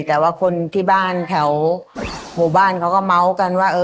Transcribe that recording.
แต่ว่าคนที่บ้านแถวหมู่บ้านเขาก็เมาส์กันว่า